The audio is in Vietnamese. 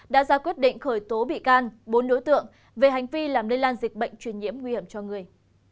đã ra quyết định khởi tố bị can bốn đối tượng về hành vi làm lây lan dịch bệnh truyền nhiễm nguy hiểm cho người